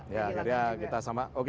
dan akhirnya kita kehilangan juga